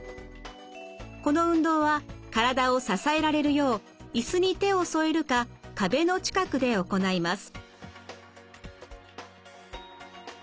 この運動は体を支えられるよう椅子に手を添えるか壁の近くで行います。